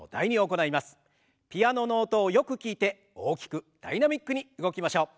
ピアノの音をよく聞いて大きくダイナミックに動きましょう。